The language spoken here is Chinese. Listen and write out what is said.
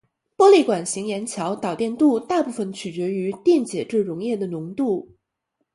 玻璃管型盐桥导电度大部分取决于电解质溶液的浓度。